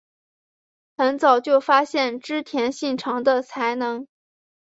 很早就发现织田信长的才能。